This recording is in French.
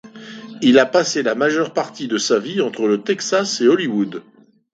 Il a passé la majeure partie de sa vie entre le Texas et Hollywood.